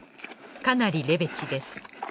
かなりレベチです。